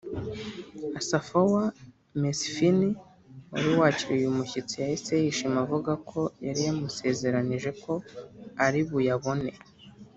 Asfaw Mesfin wari wakiriye uyu mushyitsi yahise yishima avuga ko yari yamusezeranije ko ari buyabone